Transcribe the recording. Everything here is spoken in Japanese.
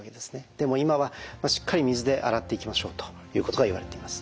でも今はしっかり水で洗っていきましょうということがいわれています。